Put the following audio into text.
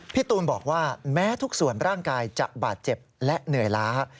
ตูนบอกว่าแม้ทุกส่วนร่างกายจะบาดเจ็บและเหนื่อยล้า